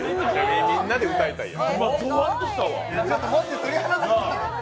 みんなで歌いたいやんけ。